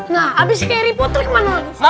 nah abis harry potter kemana lagi